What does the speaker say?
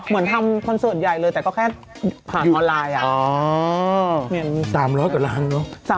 เหมือนทำคอนเสิร์ตใหญ่เลยแต่ก็แค่ผ่านออนไลน์อ่ะ